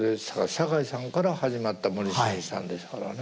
堺さんから始まった森進一さんでしたからね。